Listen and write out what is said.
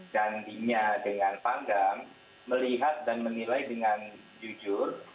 janjinya dengan panggang melihat dan menilai dengan jujur